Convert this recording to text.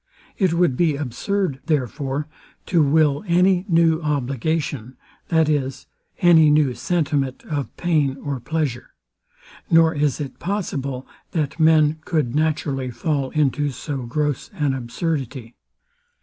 It would be absurd, therefore, to will any new obligation, that is, any new sentiment of pain or pleasure; nor is it possible, that men could naturally fall into so gross an absurdity.